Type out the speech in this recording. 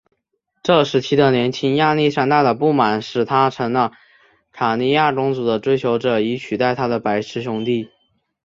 这时期的年轻亚历山大的不满使他成了卡里亚公主的追求者以取代他的白痴兄弟。